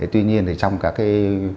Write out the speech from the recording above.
tuy nhiên thì trong các cái